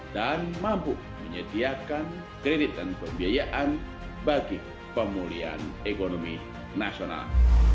dan mampu menyediakan kredit dan pembiayaan bagi pemulihan ekonomi nasional